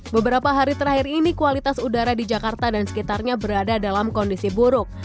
beberapa hari terakhir ini kualitas udara di jakarta dan sekitarnya berada dalam kondisi buruk